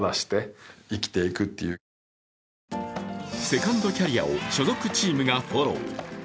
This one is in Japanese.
セカンドキャリアを所属チームがフォロー。